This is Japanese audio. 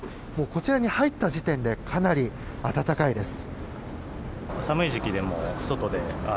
こちらに入った時点でかなり暖かいです。